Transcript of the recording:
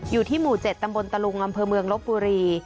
อยู่ที่หมู่๗ตำบลตะลุงอำเภอเมืองลบบุรี